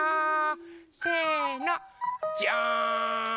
せの。じゃん！